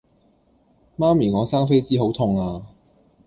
媽咪我生痱滋好痛呀